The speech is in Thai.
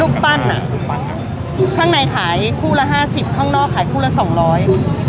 ลูกปั้นอ่ะลูกปั้นครับข้างในขายคู่ละห้าสิบข้างนอกขายคู่ละสองร้อย